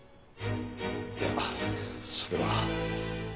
いやそれは。